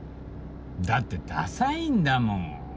だってダサいんだもん。